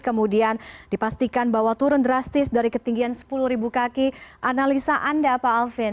kemudian dipastikan bahwa turun drastis dari ketinggian sepuluh kaki analisa anda pak alvin